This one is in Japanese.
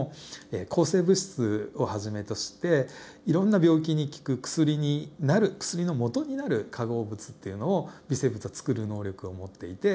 え抗生物質をはじめとしていろんな病気に効く薬になる薬のもとになる化合物っていうのを微生物はつくる能力を持っていて。